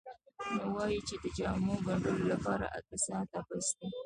نو وایي چې د جامو ګنډلو لپاره اته ساعته بس دي.